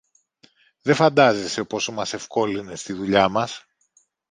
Δε φαντάζεσαι πόσο μας ευκόλυνες τη δουλειά μας